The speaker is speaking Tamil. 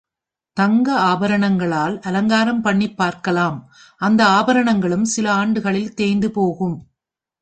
தங்க ஆபரணங்களால் அலங்காரம் பண்ணிப் பார்க்கலாம் அந்த ஆபரணங்களும் சில ஆண்டுகளில் தேய்ந்து போகும்.